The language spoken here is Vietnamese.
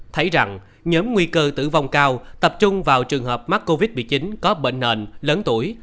thấy rằng nhóm nguy cơ tử vong cao tập trung vào trường hợp mắc covid một mươi chín có bệnh nền lớn tuổi